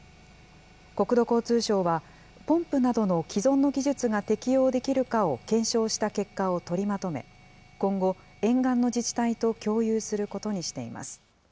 国土交通省は、ポンプなどの既存の技術が適用できるかを検証した結果を取りまとめ、今後、沿岸の自治体と共有することにしています。